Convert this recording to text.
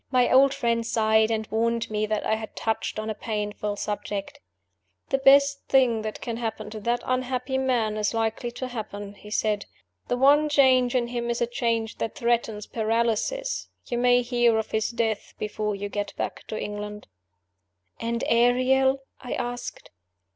My old friend sighed, and warned me that I had touched on a painful subject. "The best thing that can happen to that unhappy man is likely to happen," he said. "The one change in him is a change that threatens paralysis. You may hear of his death before you get back to England." "And Ariel?" I asked.